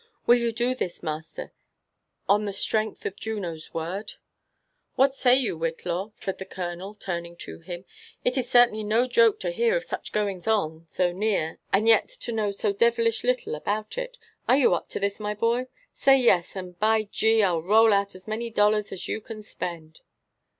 Will you do this, master, on the strength of Juno*s word?" •* What say you, Whillaw?" said the colonel, turningtohim. It is certainly no joke to hear of such goings on, so near, and yet to know 80 devilish little about it. Are you up to this, my boy? Say yes, and by G — ril roll out as many dollars as you can spend."